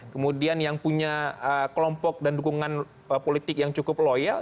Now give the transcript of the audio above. kemudian yang punya kelompok dan dukungan politik yang cukup loyal